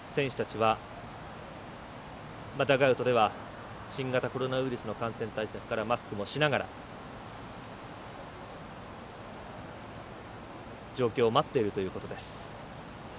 ダグアウトでは新型コロナウイルスの感染対策のためマスクもしながら状況を待っているということです。